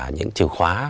những chiều khóa